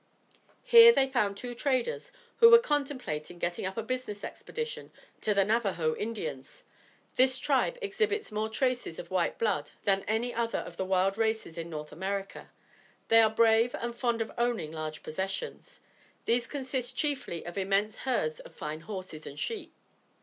Here they found two traders who were contemplating getting up a business expedition to the Navajoe Indians. This tribe exhibits more traces of white blood than any other of the wild races in North America. They are brave and fond of owning large possessions. These consist chiefly of immense herds of fine horses and sheep.